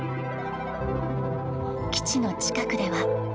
基地の近くでは。